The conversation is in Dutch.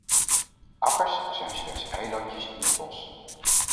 Akkers zijn slechts eilandjes in het bos.